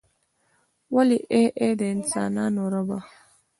ولې ای ای د انسانانو ربه.